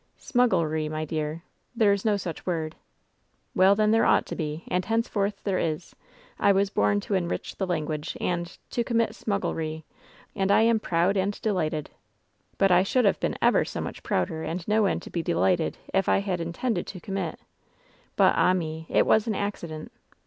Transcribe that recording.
" ^Smugglery,' my dear. There's no such word." 'Well, then, there ought to be, and henceforth there is. I was bom to enrich the language, and — ^to commit smugglery. And I am proud and delighted I But I should have been ever so much prouder and no end to be delighted if I had intended to commit. But, ah me I It was an accident.